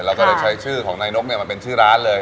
เราก็ได้ใช้ชื่อของนายนกเนี่ยมาเป็นชื่อร้านเลย